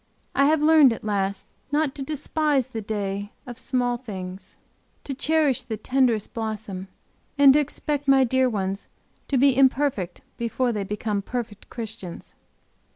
I have learned at last not to despise the day of small things, to cherish the tenderest blossom, and to expect my dear ones to be imperfect before they become perfect Christians.